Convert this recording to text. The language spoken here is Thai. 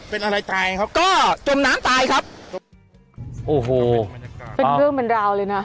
เป็นอะไรตายครับก็จมน้ำตายครับโอ้โหบรรยากาศเป็นเรื่องเป็นราวเลยน่ะ